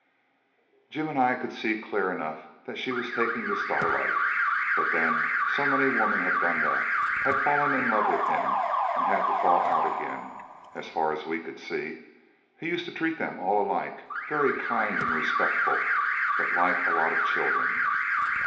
Jim and I could see clear enough that she was taking to Starlight; but then so many women had done that, had fallen in love with him and had to fall out again as far as we could see. He used to treat them all alike very kind and respectful, but like a lot of children.